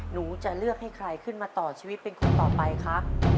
หนูจะเลือกให้ใครขึ้นมาต่อชีวิตเป็นคนต่อไปครับ